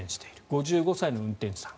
５５歳の運転手さん。